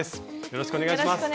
よろしくお願いします。